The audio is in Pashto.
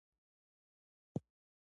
موږ باید د خپلو وحشي ژویو ساتنه وکړو.